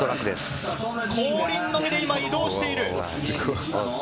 後輪のみで移動している。